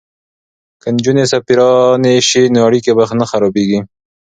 که نجونې سفیرانې شي نو اړیکې به نه خرابیږي.